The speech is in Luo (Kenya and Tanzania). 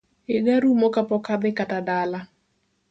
Yiga rumo ka pok adhi kata dala